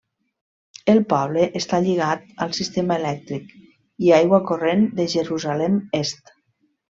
El poble està lligat al sistema elèctric i aigua corrent de Jerusalem Est.